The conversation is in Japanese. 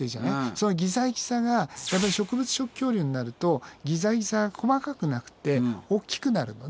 そのギザギザが植物食恐竜になるとギザギザが細かくなくておっきくなるのね。